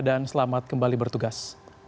dan selamat kembali bertugas